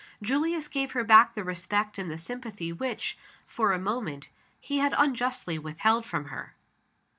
Julius gave her back the respect and the sympathy which, for a moment, he had unjustly withheld from her.